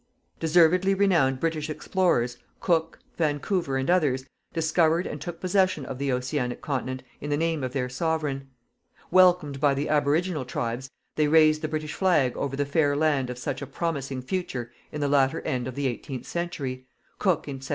Deservedly renowned British explorers Cook, Vancouver, and others discovered and took possession of the Oceanic continent in the name of their Sovereign. Welcomed by the aboriginal tribes, they raised the British flag over the fair land of such a promising future in the latter end of the eighteenth century Cook in 1770.